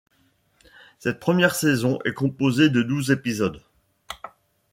Cette première saison est composée de douze épisodes.